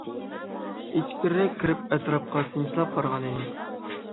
ئىچكىرىرەك كىرىپ ئەتراپقا سىنچىلاپ قارىغانىدى.